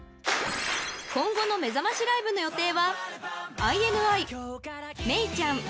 ［今後のめざましライブの予定は］